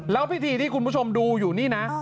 แล้วพิธีที่คุณผู้ชมดูอยู่นี่นะ